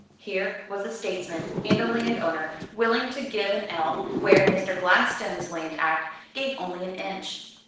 Here was a statesman and a landowner willing to give an ell, where Mr. Gladstone's Land Act gave only an inch.